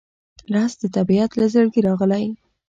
رس د طبیعت له زړګي راغلی